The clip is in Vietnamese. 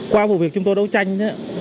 qua vụ việc chúng tôi đấu tranh